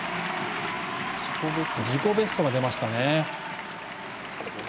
自己ベストが出ましたね。